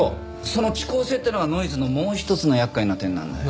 その遅効性っていうのがノイズのもう一つの厄介な点なんだよ。